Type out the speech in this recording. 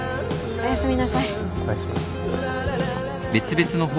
おやすみ。